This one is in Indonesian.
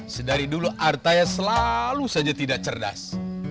sedari dulu artaya selalu saja tidak cerdas